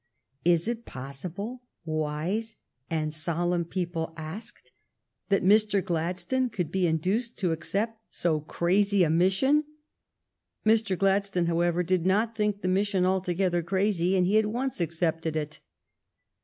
Is it possible, wise and solemn people asked, that Mr. Gladstone could be induced to accept so crazy a mission ? Mr. Gladstone, however, did not think the mission altogether crazy, and he at once accepted it.